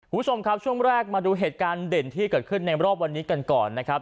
คุณผู้ชมครับช่วงแรกมาดูเหตุการณ์เด่นที่เกิดขึ้นในรอบวันนี้กันก่อนนะครับ